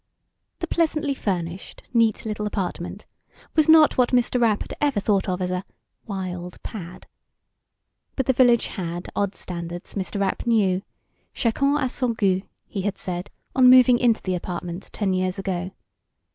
The pleasantly furnished, neat little apartment was not what Mr. Rapp had ever thought of as a "wild pad." But the Village had odd standards, Mr. Rapp knew. Chacun a son gout, he had said, on moving into the apartment ten years ago.